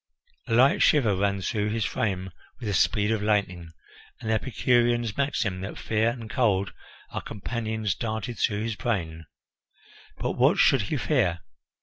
A light shiver ran through his frame with the speed of lightning, and the Epicurean's maxim that fear and cold are companions darted through his brain. But what should he fear?